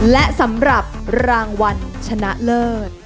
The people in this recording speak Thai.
และสำหรับรางวัลชนะเลิศ